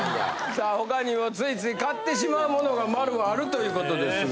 さあ他にもついつい買ってしまうものが丸はあるということですが。